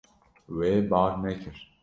Wê bar nekir.